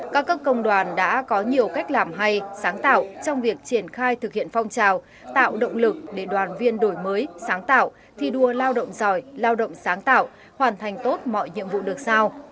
các cấp công đoàn đã có nhiều cách làm hay sáng tạo trong việc triển khai thực hiện phong trào tạo động lực để đoàn viên đổi mới sáng tạo thi đua lao động giỏi lao động sáng tạo hoàn thành tốt mọi nhiệm vụ được sao